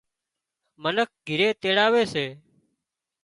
منک گھِري تيڙاوي سي